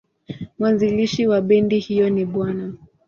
Mwanzilishi wa bendi hiyo ni Bw.